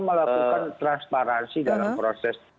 melakukan transparansi dalam proses